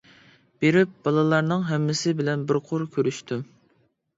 بېرىپ بالىلارنىڭ ھەممىسى بىلەن بىر قۇر كۆرۈشتۈم.